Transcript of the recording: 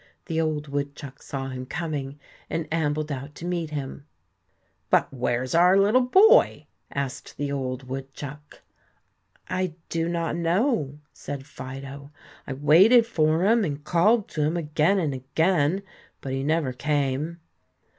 The old woodchuck saw him coming and ambled out to meet him. "But where is our little boy?" asked the old woodchuck. "I do not know," said Fido. "I waited for him and called to him again and again, but he never came."